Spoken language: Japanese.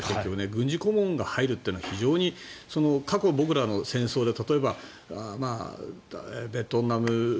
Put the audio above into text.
軍事顧問が入るというのは非常に過去、僕らの戦争で例えば、ベトナム。